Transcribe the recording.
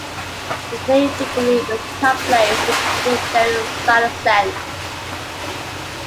He played frequently with top players, including Gene Sarazen.